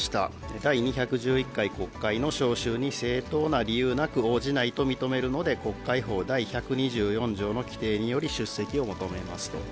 第２１１回国会の召集に正当な理由なく、応じないと認めるので、国会法第１２４条の規定により出席を求めますと。